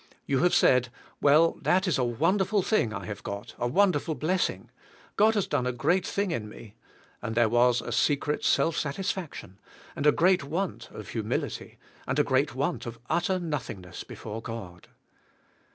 You have said. Well, that is a wonderful thing I have got, a wonderful blessing; God has done a great thing in me; and there was a secret self satisfac tion, and a great want of humility, and a great want of utter nothingness before God.